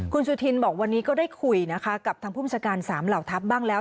คุณสุธินบอกวันนี้ก็ได้คุยนะคะกับทางผู้บัญชาการ๓เหล่าทัพบ้างแล้ว